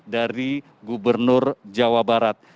dari gubernur jawa barat